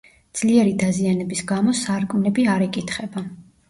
ძლიერი დაზიანების გამო სარკმლები არ იკითხება.